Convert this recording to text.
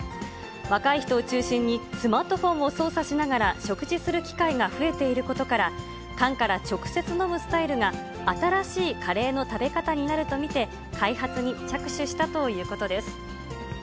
若い人を中心にスマートフォンを操作しながら食事する機会が増えていることから、缶から直接飲むスタイルが、新しいカレーの食べ方になると見て、開発に着手したということです。